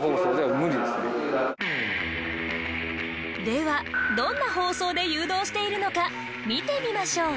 ではどんな放送で誘導しているのか見てみましょう。